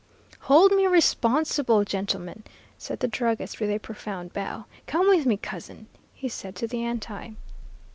"'Hold me responsible, gentlemen,' said the druggist, with a profound bow. 'Come with me, Cousin,' he said to the Anti.